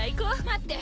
待って！